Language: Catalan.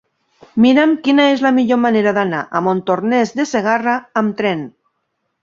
Mira'm quina és la millor manera d'anar a Montornès de Segarra amb tren.